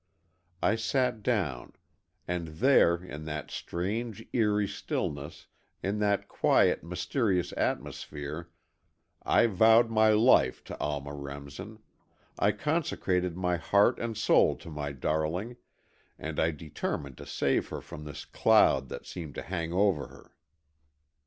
I sat down, and there, in that strange, eerie stillness, in that quiet, mysterious atmosphere, I vowed my life to Alma Remsen, I consecrated my heart and soul to my darling, and I determined to save her from this cloud that seemed to hang over her.